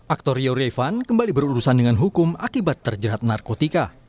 aktor rio rivan kembali berurusan dengan hukum akibat terjerat narkotika